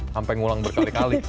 sampai ngulang berkali kali